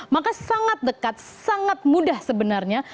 maka sangat dekat sangat mudah sebenarnya